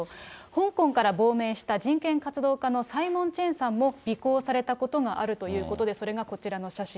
香港から亡命した人権活動家のサイモン・チェンさんも尾行されたことがあるということで、それがこちらの写真。